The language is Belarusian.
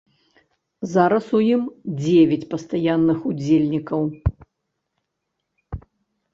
Зараз у ім дзевяць пастаянных удзельнікаў.